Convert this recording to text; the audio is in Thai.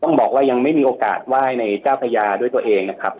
บอกว่ายังไม่มีโอกาสไหว้ในเจ้าพระยาด้วยตัวเองนะครับ